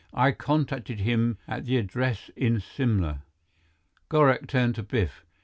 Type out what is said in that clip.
"I contacted him at the address in Simla." Gorak turned to Biff.